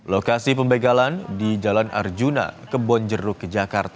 lokasi pembegalan di jalan arjuna ke bonjeruk jakarta barat